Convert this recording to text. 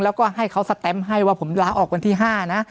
แล้วก็ให้เขาสแตมปให้ว่าผมลาออกวันที่๕นะ